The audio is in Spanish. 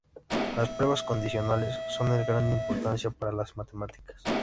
Las pruebas condicionales son de gran importancia para las matemáticas.